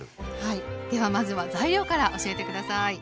ではまずは材料から教えて下さい。